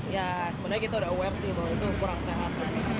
ya sebenarnya kita udah aware sih bahwa itu kurang sehat